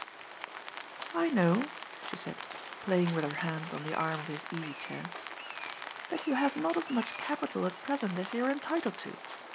' I know," she said, playing with her hand on the arm of his easy chair, ^' that you have not as much capital at present as you are entitled to.